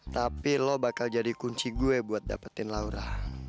tapi lu bakal jadi kunci gua buat dapetin laura